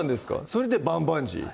それで「バンバンジー」？